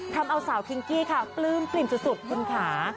ทำเอาสาวพิ้งกี้ค่ะปลื้มสุดคุณค้า